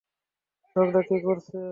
ঝগড়া কে করছে?